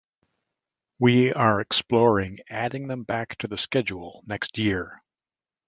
We are exploring adding them back to the schedule next year.